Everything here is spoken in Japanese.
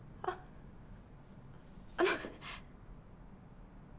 あっあの。